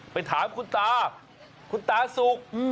ไปถามคุณตาคุณตาสุก